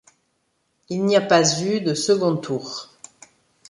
Il n'y a pas eu de second tour.